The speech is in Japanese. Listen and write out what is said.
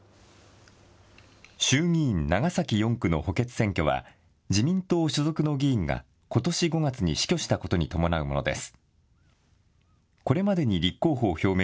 衆議院長崎４区の補欠選挙は、自民党所属の議員がことし５月に死去したことに伴うものです。